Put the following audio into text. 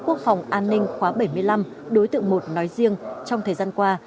quốc phòng an ninh khóa bảy mươi năm đối tượng một nói riêng trong thời gian qua